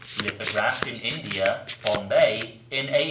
Lithographed in India (? Bombay) in a.